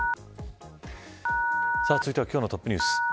続いては今日のトップニュース。